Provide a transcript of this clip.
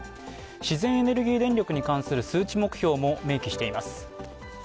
自然エネルギー電力に関する数値目標も明記しています。